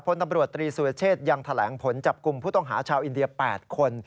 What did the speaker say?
พลตำรวจตรีสุรเชษยังแถลงผลจับกลุ่มผู้ต้องหาชาวอินเดีย๘คน